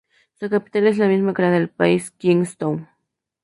Su capital es la misma que la del país, Kingstown.